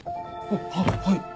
あっはい！